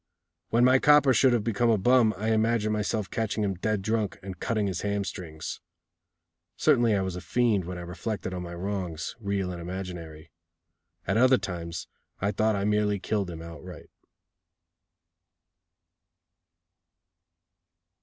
When my copper should have become a bum I imagined myself catching him dead drunk and cutting his hamstrings. Certainly I was a fiend when I reflected on my wrongs, real and imaginary. At other times I thought I merely killed him outright.